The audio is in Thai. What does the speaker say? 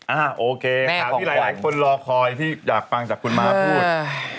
โอเคข่าวที่หลายคนรอคอยที่อยากฟังจากคุณม้าพูด